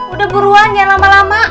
udah buruan jangan lama lama